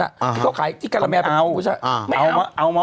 ที่เขาขายที่การแม่ไม่เอา